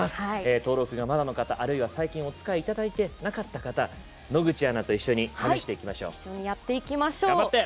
登録が、まだの方あるいは最近お使いいただいていなかった方野口アナと一緒に試してみましょう。